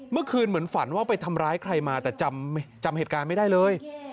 เมื่อคืนเหมือนฝันว่าไปทำร้ายใครมาแต่จำเหตุการณ์ไม่ได้เลย